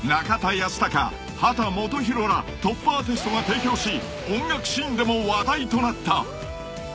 泰基博らトップアーティストが提供し音楽シーンでも話題となった］